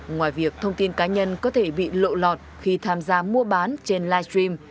ngoài việc thông tin cá nhân có thể bị lộ lọt khi tham gia mua bán trên live stream